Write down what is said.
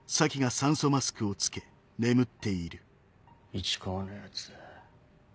市川のヤツ